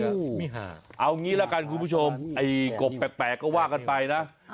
เอางี้ละกันคุณผู้ชมไอ้กบแปลกก็ว่ากันไปนะ